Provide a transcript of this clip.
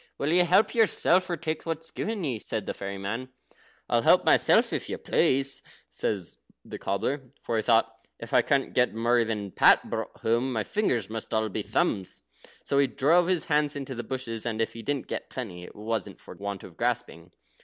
"Will you help yourself, or take what's given ye?" said the fairy man. "I'll help myself, if you please," said the cobbler, for he thought "If I can't get more than Pat brought home, my fingers must all be thumbs." So he drove his hand into the bushes, and if he didn't get plenty, it wasn't for want of grasping.